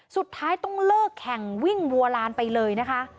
สุดท้ายต้องเลิกแข่งวิ่งวัวลานไปเลยนะคะ